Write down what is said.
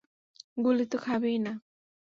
গুলি তো খাবিই না?